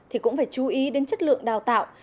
thì cũng phải chú ý đến chất lượng đào tạo